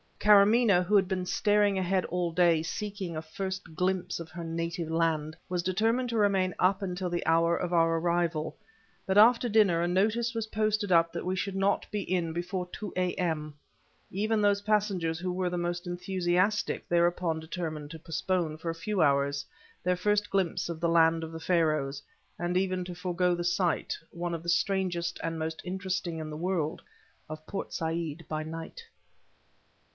Karamaneh who had been staring ahead all day, seeking a first glimpse of her native land, was determined to remain up until the hour of our arrival, but after dinner a notice was posted up that we should not be in before two A.M. Even those passengers who were the most enthusiastic thereupon determined to postpone, for a few hours, their first glimpse of the land of the Pharaohs and even to forego the sight one of the strangest and most interesting in the world of Port Said by night.